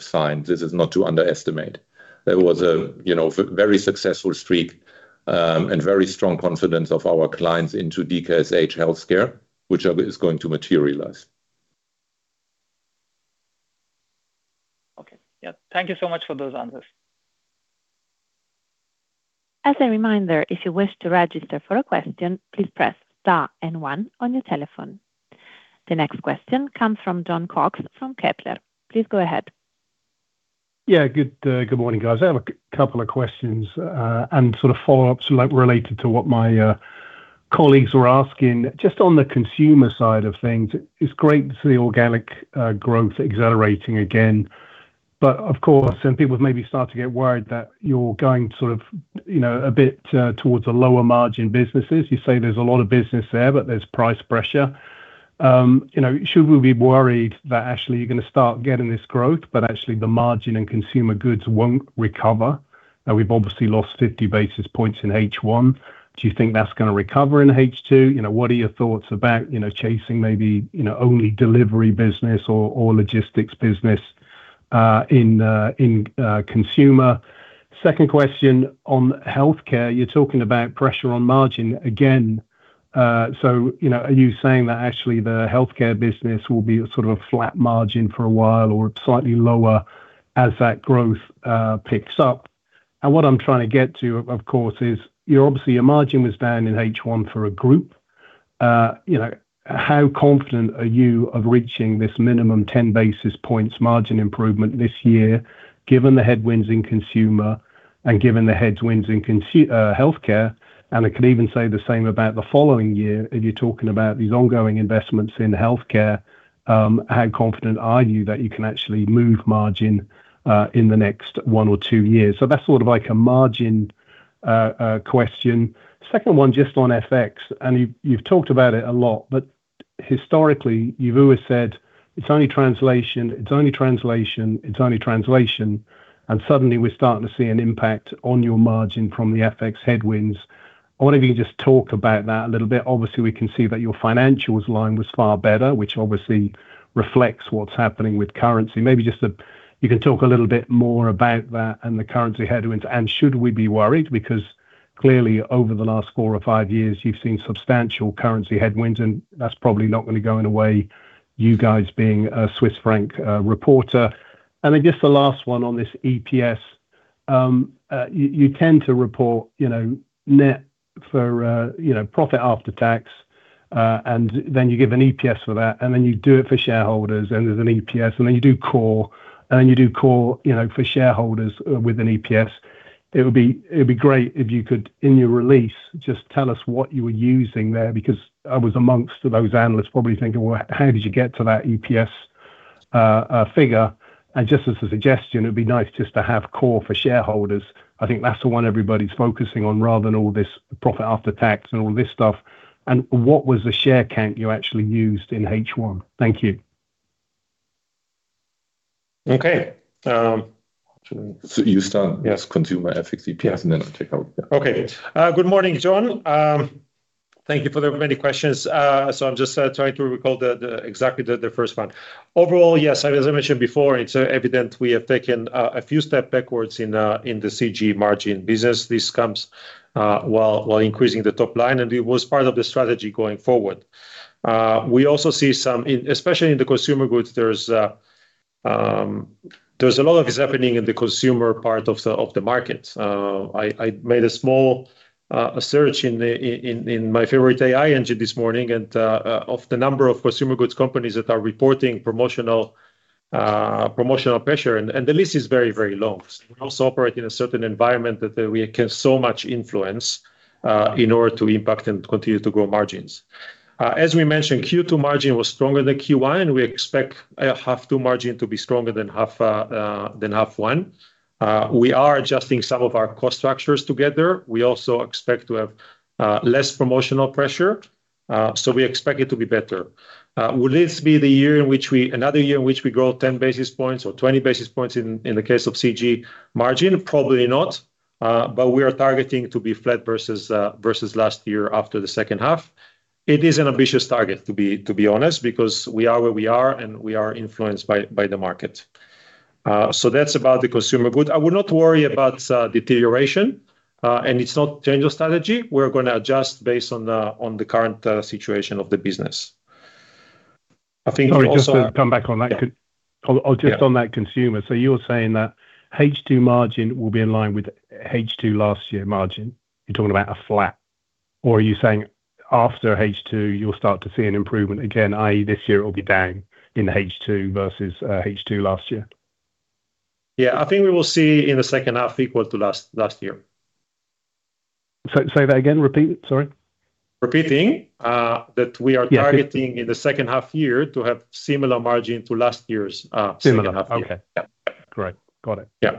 signed. This is not to underestimate. There was a very successful streak and very strong confidence of our clients into DKSH healthcare, which is going to materialize.
Okay. Yeah. Thank you so much for those answers.
As a reminder, if you wish to register for a question, please press star and one on your telephone. The next question comes from Jon Cox from Kepler. Please go ahead.
Yeah. Good morning, guys. I have a couple of questions and sort of follow-ups related to what my colleagues were asking. Just on the consumer side of things, it's great to see organic growth accelerating again. Of course, some people maybe start to get worried that you're going a bit towards the lower margin businesses. You say there's a lot of business there, but there's price pressure. Should we be worried that actually you're going to start getting this growth, but actually the margin and consumer goods won't recover? We've obviously lost 50 basis points in H1. Do you think that's going to recover in H2? What are your thoughts about chasing maybe only delivery business or logistics business in consumer? Second question on healthcare. You're talking about pressure on margin again. Are you saying that actually the healthcare business will be sort of a flat margin for a while or slightly lower as that growth picks up? What I'm trying to get to, of course, is obviously your margin was down in H1 for a group. How confident are you of reaching this minimum 10 basis points margin improvement this year, given the headwinds in consumer and given the headwinds in healthcare? I could even say the same about the following year, if you're talking about these ongoing investments in healthcare. How confident are you that you can actually move margin, in the next one or two years? That's sort of like a margin question. Second one just on FX, and you've talked about it a lot, but historically you've always said it's only translation, it's only translation, it's only translation, and suddenly we're starting to see an impact on your margin from the FX headwinds. I wonder if you could just talk about that a little bit. Obviously, we can see that your financials line was far better, which obviously reflects what's happening with currency. Maybe just you can talk a little bit more about that and the currency headwinds and should we be worried? Clearly over the last four or five years you've seen substantial currency headwinds and that's probably not going to go away, you guys being a Swiss franc reporter. Just the last one on this EPS. You tend to report net for profit after tax. You give an EPS for that. You do it for shareholders and there's an EPS. You do core. You do core for shareholders with an EPS. It would be great if you could, in your release, just tell us what you were using there because I was amongst those analysts probably thinking, "Well, how did you get to that EPS figure?" Just as a suggestion, it would be nice just to have core for shareholders. I think that's the one everybody's focusing on rather than all this profit after tax and all this stuff. What was the share count you actually used in H1? Thank you.
Okay.
You start.
Yes.
Consumer FX EPS. I'll take over.
Good morning, Jon. Thank you for the many questions. I'm just trying to recall exactly the first one. Overall, yes, as I mentioned before, it's evident we have taken a few step backwards in the CG margin business. This comes while increasing the top line. It was part of the strategy going forward. We also see some, especially in the consumer goods, there's a lot of happening in the consumer part of the market. I made a small search in my favorite AI engine this morning of the number of consumer goods companies that are reporting promotional pressure. The list is very long. We also operate in a certain environment that we can so much influence in order to impact and continue to grow margins. As we mentioned, Q2 margin was stronger than Q1. We expect half two margin to be stronger than half one. We are adjusting some of our cost structures together. We also expect to have less promotional pressure. We expect it to be better. Will this be another year in which we grow 10 basis points or 20 basis points in the case of CG margin? Probably not. We are targeting to be flat versus last year after the second half. It is an ambitious target to be honest because we are where we are and we are influenced by the market. That's about the consumer good. I would not worry about deterioration. It's not change of strategy. We're going to adjust based on the current situation of the business.
Sorry, just to come back on that.
Yeah.
Just on that consumer, you're saying that H2 margin will be in line with H2 last year margin. You're talking about a flat? Or are you saying after H2 you'll start to see an improvement again, i.e., this year it will be down in H2 versus H2 last year?
Yeah. I think we will see in the second half equal to last year.
Say that again. Repeat. Sorry.
Repeating.
Yeah.
We are targeting in the second half year to have similar margin to last year's second half year.
Similar. Okay.
Yeah.
Great. Got it.
Yeah.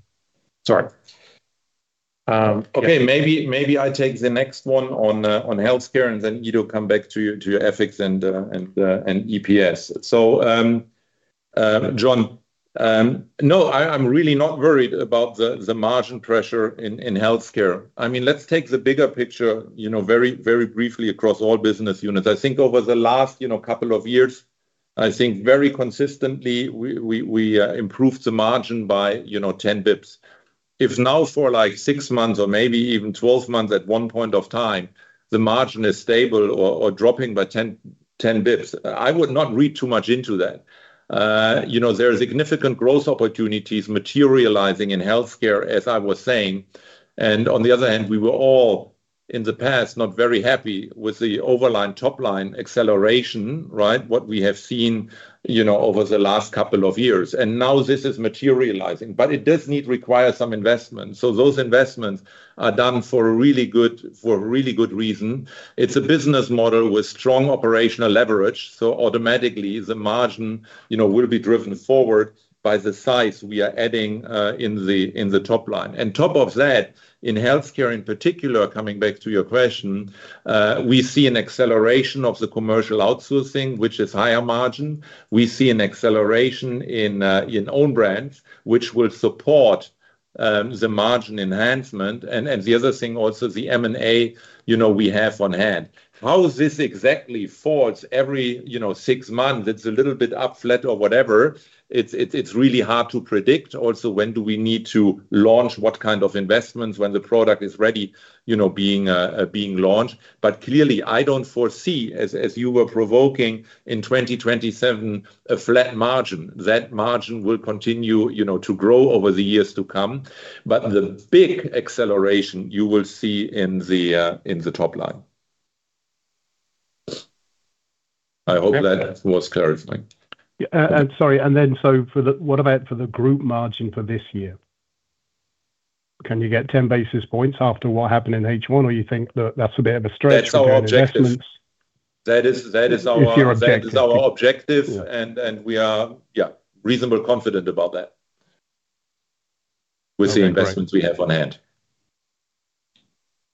Sorry. Okay. Maybe I take the next one on healthcare and then Ido, come back to your FX and EPS. Jon, no, I am really not worried about the margin pressure in healthcare. Let us take the bigger picture very briefly across all business units. I think over the last couple of years, I think very consistently we improved the margin by 10 basis points. If now for like six months or maybe even 12 months at one point of time the margin is stable or dropping by 10 basis points, I would not read too much into that. There are significant growth opportunities materializing in healthcare as I was saying, and on the other hand we were all in the past, not very happy with the overall top-line acceleration, right? What we have seen over the last couple of years, and now this is materializing, but it does require some investment. Those investments are done for a really good reason. It is a business model with strong operational leverage, so automatically the margin will be driven forward by the size we are adding in the top-line. On top of that, in healthcare in particular, coming back to your question, we see an acceleration of the commercial outsourcing, which is higher margin. The other thing also, the M&A we have on hand. How this exactly falls every six months, it is a little bit up, flat, or whatever. It is really hard to predict also when do we need to launch what kind of investments when the product is ready being launched. Clearly, I do not foresee, as you were provoking, in 2027, a flat margin. That margin will continue to grow over the years to come. The big acceleration you will see in the top-line. I hope that was clarifying.
Yeah. Sorry. What about for the group margin for this year? Can you get 10 basis points after what happened in H1, or you think that that is a bit of a stretch.
That's our objective.
Regarding investments?
That is.
If you're on target.
that is our objective.
Yeah
We are reasonably confident about that with the investments we have on hand.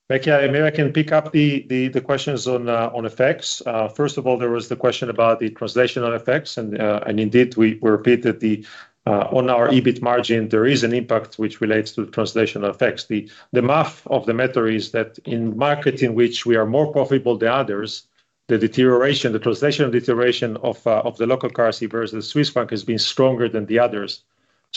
Okay, great.
Maybe I can pick up the questions on effects. First of all, there was the question about the translational effects. Indeed, we repeat that on our EBIT margin, there is an impact which relates to translational effects. The math of the matter is that in markets in which we are more profitable than others, the deterioration, the translational deterioration of the local currency versus the Swiss franc has been stronger than the others.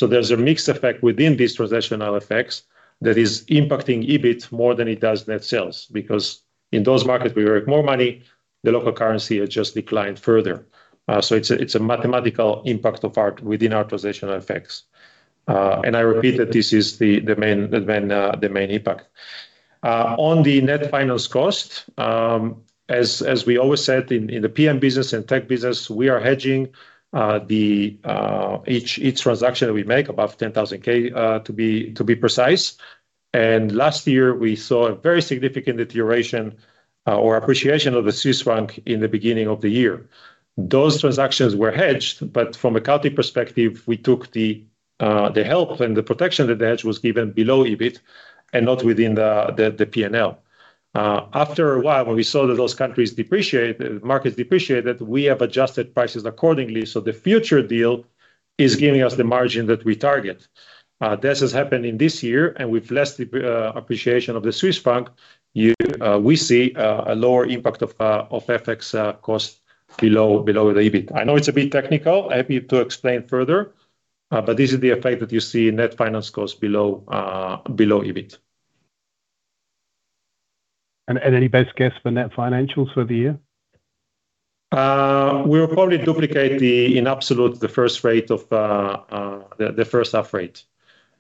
There's a mixed effect within these translational effects that is impacting EBIT more than it does net sales. Because in those markets, we earn more money, the local currency has just declined further. It's a mathematical impact within our translational effects. I repeat that this is the main impact. On the net finance cost, as we always said in the PM business and tech business, we are hedging each transaction that we make above 10,000K, to be precise. Last year, we saw a very significant deterioration or appreciation of the Swiss franc in the beginning of the year. Those transactions were hedged, but from a country perspective, we took the help and the protection that the hedge was given below EBIT and not within the P&L. After a while, when we saw that those countries depreciate, markets depreciate, that we have adjusted prices accordingly, the future deal is giving us the margin that we target. This has happened in this year, and with less depreciation of the Swiss franc, we see a lower impact of FX cost below the EBIT. I know it's a bit technical. Happy to explain further. This is the effect that you see net finance cost below EBIT.
Any best guess for net financials for the year?
We'll probably duplicate in absolute the first rate of the first half rate.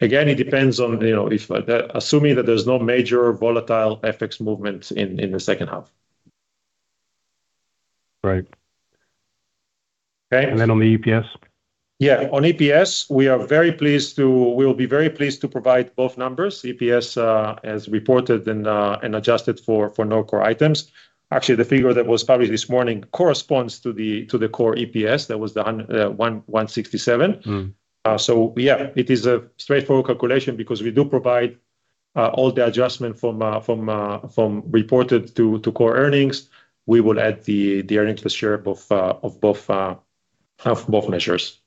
Again, it depends on assuming that there's no major volatile FX movement in the second half.
Right.
Okay.
Then on the EPS?
On EPS, we will be very pleased to provide both numbers, EPS, as reported and adjusted for no core items. Actually, the figure that was published this morning corresponds to the Core EPS. That was the 167. It is a straightforward calculation because we do provide all the adjustment from reported to core earnings. We will add the earnings per share of both measures.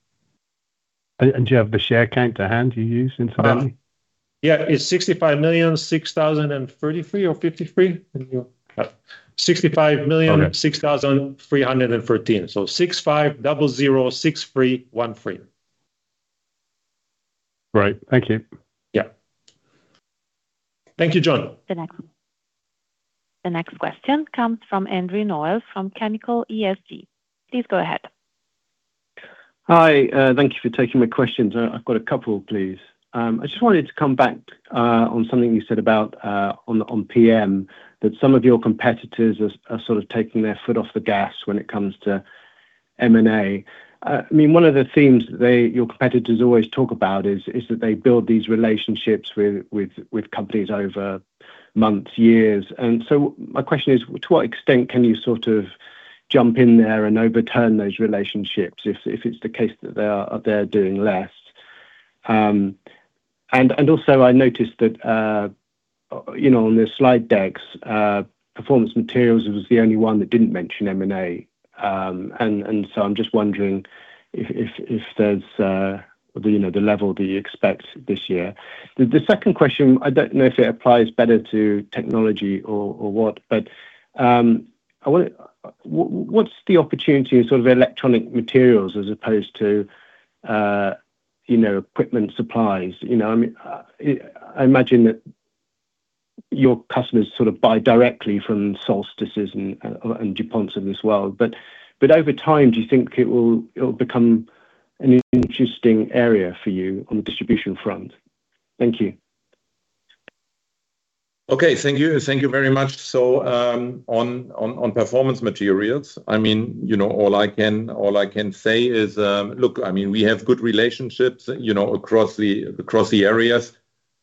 Do you have the share count to hand you use incidentally?
Yeah. It's 65,006,033 or 53.
Thank you.
65,006,313. So, 65 double zero 6313.
Right. Thank you.
Yeah. Thank you, Jon.
The next question comes from Andrew Noel from Chemical ESG. Please go ahead.
Hi. Thank you for taking my questions. I've got a couple, please. I just wanted to come back on something you said about on PM, that some of your competitors are sort of taking their foot off the gas when it comes to M&A. One of the themes that your competitors always talk about is that they build these relationships with companies over months, years. My question is, to what extent can you sort of jump in there and overturn those relationships if it's the case that they're doing less? I noticed that on the slide decks, Performance Materials was the only one that didn't mention M&A. I'm just wondering if there's the level that you expect this year. The second question, I don't know if it applies better to technology or what, What's the opportunity in electronic materials as opposed to equipment supplies? I imagine that your customers buy directly from Solstice and DuPont as well. Over time, do you think it'll become an interesting area for you on the distribution front. Thank you.
Okay. Thank you. Thank you very much. On Performance Materials, all I can say is, look, we have good relationships across the areas.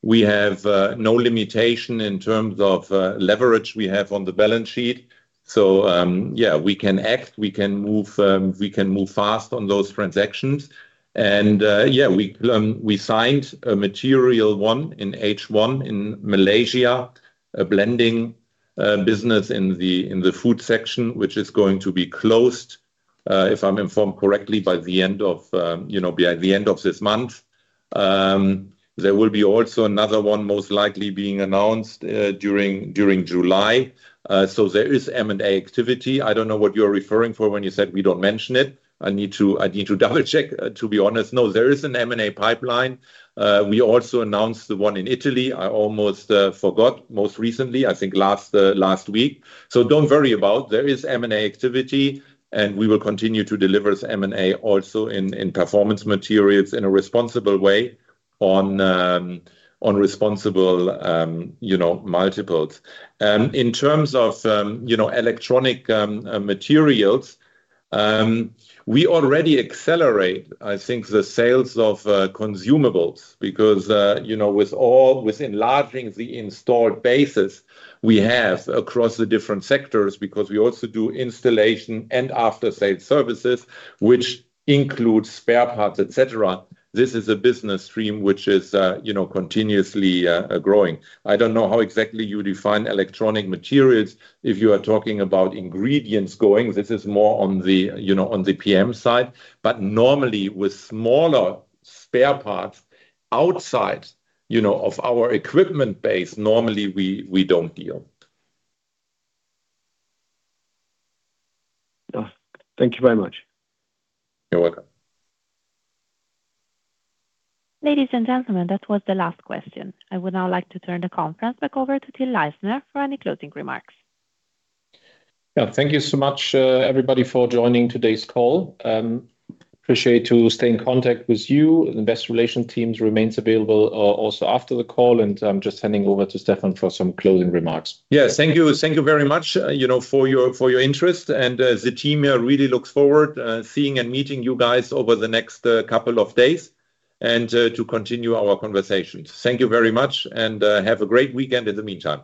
We have no limitation in terms of leverage we have on the balance sheet. Yeah, we can act, we can move fast on those transactions. We signed a material one in H1 in Malaysia, a blending business in the food section, which is going to be closed, if I'm informed correctly, by the end of this month. There will be also another one most likely being announced during July. There is M&A activity. I don't know what you're referring for when you said we don't mention it. I need to double-check, to be honest. No, there is an M&A pipeline. We also announced the one in Italy, I almost forgot, most recently, I think last week. Don't worry about, there is M&A activity, and we will continue to deliver M&A also in performance materials in a responsible way on responsible multiples. In terms of electronic materials, we already accelerate, I think, the sales of consumables because with enlarging the installed bases we have across the different sectors, because we also do installation and after-sale services, which includes spare parts, et cetera. This is a business stream which is continuously growing. I don't know how exactly you define electronic materials. If you are talking about ingredients going, this is more on the PM side. Normally with smaller spare parts outside of our equipment base, normally we don't deal.
Thank you very much.
You're welcome.
Ladies and gentlemen, that was the last question. I would now like to turn the conference back over to Till Leisner for any closing remarks.
Yeah. Thank you so much, everybody, for joining today's call. Appreciate to stay in contact with you. Investor relation teams remains available also after the call, and I'm just handing over to Stefan for some closing remarks.
Yeah. Thank you. Thank you very much for your interest. The team here really looks forward seeing and meeting you guys over the next couple of days, and to continue our conversations. Thank you very much, and have a great weekend in the meantime.